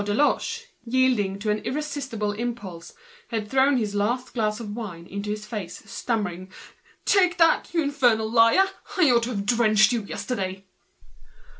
Deloche, yielding to an irresistible movement, had just thrown his last glass of wine into his tormentor's face, stammering: "Take that, you infernal liar! I ought to have drenched you yesterday!"